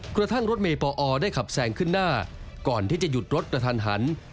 กระทั่งรถเมย์ปอได้ขับแซงขึ้นหน้าก่อนที่จะหยุดรถกระทันหัน